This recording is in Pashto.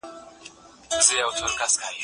څوک دا فارمونه چلوي؟